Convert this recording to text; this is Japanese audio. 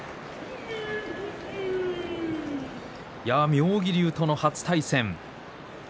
妙義龍との初対戦